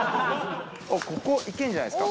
ここ行けんじゃないですか？